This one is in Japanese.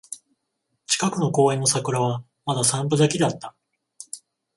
近くの公園の桜はまだ三分咲きだった